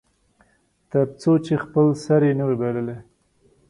تر څو چې خپل سر یې نه وي بایللی.